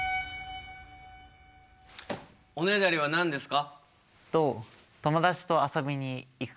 おねだりは何ですか？